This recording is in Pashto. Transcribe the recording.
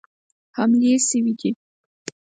حملې سوي دي.